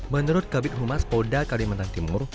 menurut kabupaten rumah spoda kalimantan timur